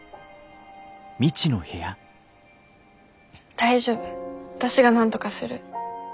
大丈夫私がなんとかする。